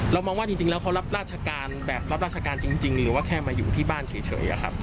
มองว่าจริงแล้วเขารับราชการแบบรับราชการจริงหรือว่าแค่มาอยู่ที่บ้านเฉย